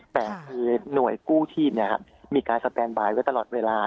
แต่หน่วยกู้ชีพเนี่ยครับมีการสแตนบายไว้ตลอดเวลา